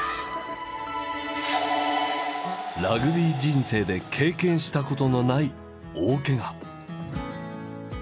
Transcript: ラグビー人生で経験したことのない大けが。